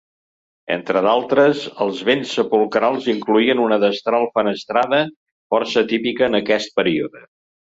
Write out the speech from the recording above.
Entre d'altres, els bens sepulcrals incloïen una destral fenestrada, força típica en aquest període.